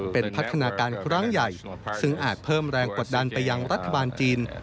เป็นพัฒนาการครั้งใหญ่ซึ่งอาจเพิ่มแรงกดดันไปยังรัฐบาลจีน